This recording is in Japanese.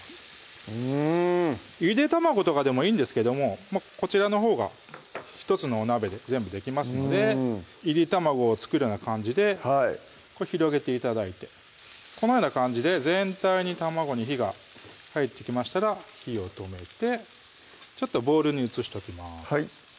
うんゆで卵とかでもいいんですけどもこちらのほうが１つのお鍋で全部できますのでいり卵を作るような感じで広げて頂いてこのような感じで全体に卵に火が入ってきましたら火を止めてちょっとボウルに移しておきます